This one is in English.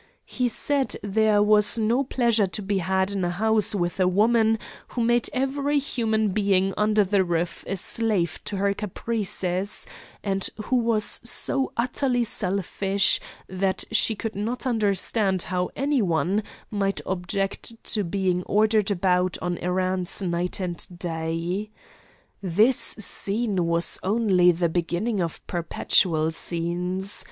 He said there was no pleasure to be had in a house with a woman who made every human being under the roof a slave to her caprices, and who was so utterly selfish that she could not understand how any one might object to being ordered about on errands night and day. This scene was only the beginning of perpetual scenes.